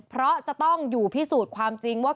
เพราะจะต้องอยู่พิสูจน์ความจริงว่า